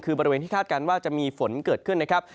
คือบริเวณที่คาดการณ์ว่าจะมีฝนเกิดขึ้นนะครับ